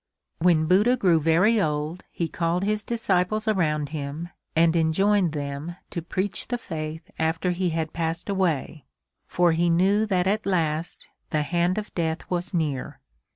When Buddha grew very old he called his disciples around him and enjoined them to preach the faith after he had passed away for he knew that at last the hand of Death was near.